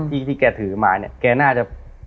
ที่ที่แกถือมาเนี่ยแกน่าจะ